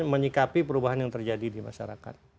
menyikapi perubahan yang terjadi di masyarakat